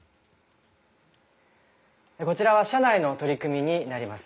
こちらは社内の取り組みになります。